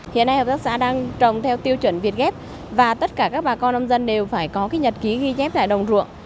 hiện nay hợp tác xã đang trồng theo tiêu chuẩn việt gáp và tất cả các bà con nông dân đều phải có cái nhật ký ghi chép tại đồng ruộng